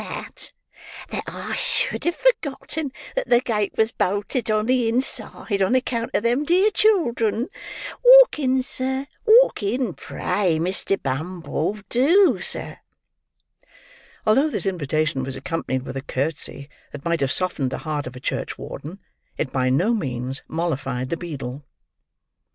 That I should have forgotten that the gate was bolted on the inside, on account of them dear children! Walk in sir; walk in, pray, Mr. Bumble, do, sir." Although this invitation was accompanied with a curtsey that might have softened the heart of a church warden, it by no means mollified the beadle.